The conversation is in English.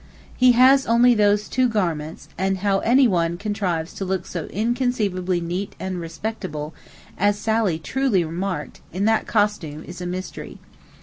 He has only those two garments, and how anyone contrives to look so inconceivably 'neat and respectable' (as Sally truly remarked) in that costume is a mystery.